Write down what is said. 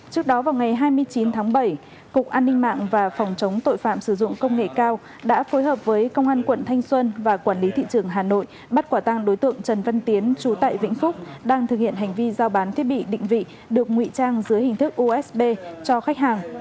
trước đó vào ngày hai mươi chín tháng bảy cục an ninh mạng và phòng chống tội phạm sử dụng công nghệ cao đã phối hợp với công an quận thanh xuân và quản lý thị trường hà nội bắt quả tăng đối tượng trần văn tiến chú tại vĩnh phúc đang thực hiện hành vi giao bán thiết bị định vị được ngụy trang dưới hình thức usb cho khách hàng